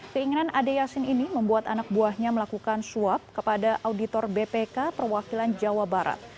keinginan ade yasin ini membuat anak buahnya melakukan swab kepada auditor bpk perwakilan jawa barat